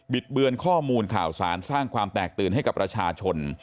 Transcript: ดเบือนข้อมูลข่าวสารสร้างความแตกตื่นให้กับประชาชน